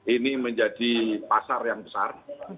ini menjadi pasar yang besar